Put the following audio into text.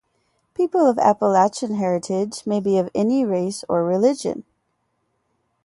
People of Appalachian heritage may be of any race or religion.